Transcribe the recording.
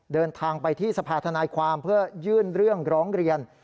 เดินทางไปที่สภาธนายความเพื่อยื่นเรื่องร้องเรียน